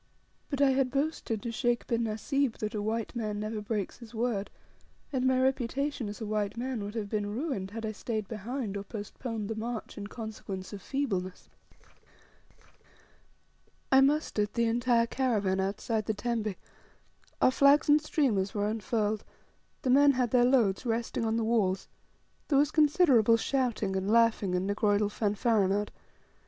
But I had boasted to Sheikh bin Nasib that a white man never breaks his word, and my reputation as a white man would have been ruined had I stayed behind, or postponed the march, in consequence of feebleness. I mustered the entire caravan outside the tembe, our flags and streamers were unfurled, the men had their loads resting on the walls, there was considerable shouting, and laughing, and negroidal fanfaronnade.